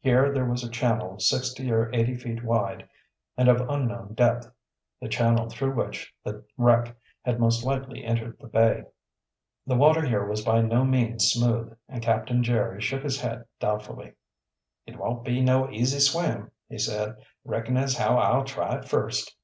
Here there was a channel sixty or eighty feet wide and of unknown depth, the channel through which the wreck had most likely entered the bay. The water here was by no means smooth and Captain Jerry shook his head doubtfully. "It won't be no easy swim," he said. "Reckon as how I'll try it first."